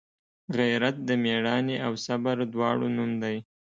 غیرت د میړانې او صبر دواړو نوم دی